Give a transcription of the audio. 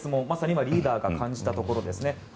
まさにリーダーが感じたところですね。